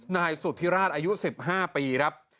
นายสุธิราชอายุ๑๕ปีครับ